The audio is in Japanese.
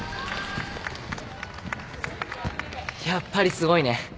やっぱりすごいね。